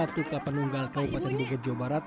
kelapanunggal kabupaten bukit jawa barat